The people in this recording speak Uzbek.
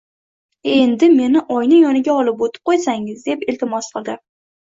Endi meni oyna yoniga olib oʻtib qoʻysangiz, deb iltimos qildi